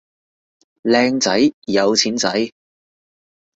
靚仔有錢仔